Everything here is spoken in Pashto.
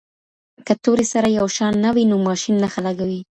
که توري سره یو شان نه وي نو ماشین نښه لګوي.